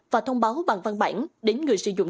và thông báo bằng văn bản đến người sử dụng